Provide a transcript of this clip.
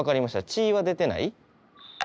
血は出てない？